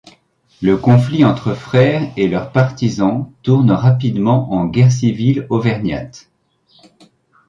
Le conflit entre frères et leurs partisans tourne rapidement en guerre civile auvergnate.